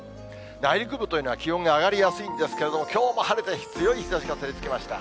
内陸部というのは気温が上がりやすいんですけれども、きょうも晴れて強い日ざしが照りつけました。